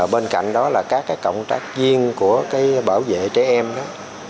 bên cạnh đó là các cái cộng tác viên của cái bảo vệ trẻ em đó